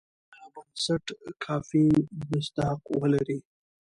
دغه بنسټ کافي مصداق ولري.